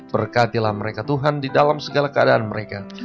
berkatilah mereka tuhan di dalam segala keadaan mereka